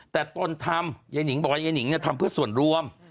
แต่ต้นทำอย่างนิ้งบอกว่าอย่างนิ้งทำเพื่อส่วนรวม